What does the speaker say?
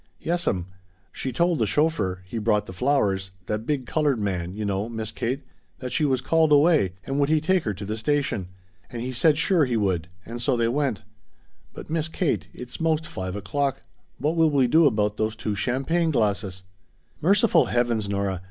"Yes'm. She told the chauffeur he brought the flowers that big colored man, you know, Miss Kate that she was called away, and would he take her to the station. And he said sure he would and so they went. But, Miss Kate it's most five o'clock what will we do about those two champagne glasses!" "Merciful heavens, Nora!